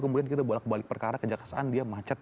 kemudian kita bolak balik perkara kejaksaan dia macet